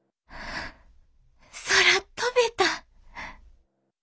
空飛べた！